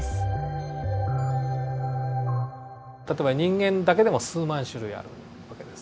例えば人間だけでも数万種類ある訳です。